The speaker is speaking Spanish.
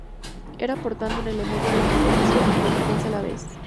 Era por tanto un elemento de vigilancia y de defensa a la vez.